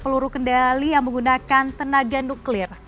peluru kendali yang menggunakan tenaga nuklir